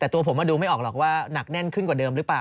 แต่ตัวผมดูไม่ออกหรอกว่าหนักแน่นขึ้นกว่าเดิมหรือเปล่า